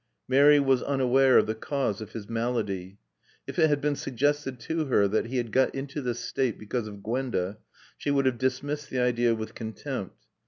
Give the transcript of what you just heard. Mary was unaware of the cause of his malady. If it had been suggested to her that he had got into this state because of Gwenda she would have dismissed the idea with contempt.